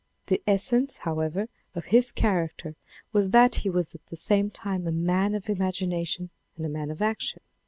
The essence^ however, of his character was that he was at the same time a man of imagination and a man of action.